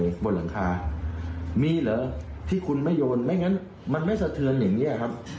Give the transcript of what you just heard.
บนหลังคามีเหรอที่คุณไม่โยนไม่งั้นมันไม่สะเทือนอย่างเงี้ยครับ